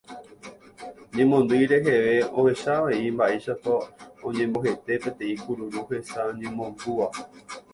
Ñemondýi reheve ohecha avei mba'éichapa oñembohete peteĩ kururu hesa ñemombúva.